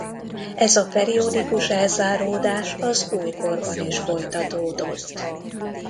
Ez a periodikus elzáródás az újkorban is folytatódott.